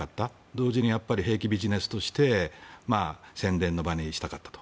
同時に兵器ビジネスとして宣伝の場にしたかったと。